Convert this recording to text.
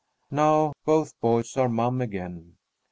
Now both boys are mum again.